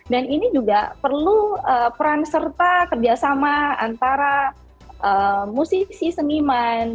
dan ini juga perlu peran serta kerjasama antara musisi seniman